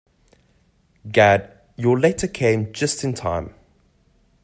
Gad, your letter came just in time.